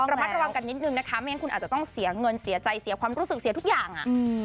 ระมัดระวังกันนิดนึงนะคะไม่งั้นคุณอาจจะต้องเสียเงินเสียใจเสียความรู้สึกเสียทุกอย่าง